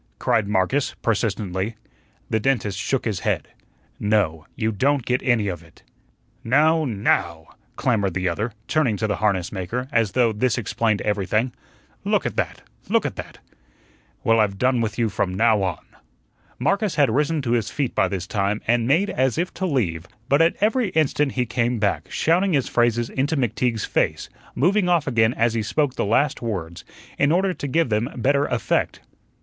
cried Marcus, persistently. The dentist shook his head. "No, you don't get any of it." "Now NOW," clamored the other, turning to the harnessmaker, as though this explained everything. "Look at that, look at that. Well, I've done with you from now on." Marcus had risen to his feet by this time and made as if to leave, but at every instant he came back, shouting his phrases into McTeague's face, moving off again as he spoke the last words, in order to give them better effect.